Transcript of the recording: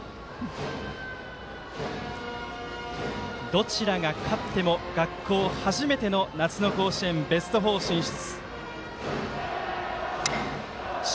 どちらが勝っても学校初めての夏の甲子園ベスト４進出。